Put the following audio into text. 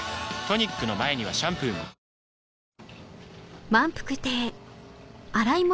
トニックの前にはシャンプーもねぇ高志。